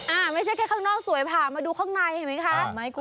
ไม่ใช่แค่ข้างนอกสวยผ่ามาดูข้างในเห็นไหมคะ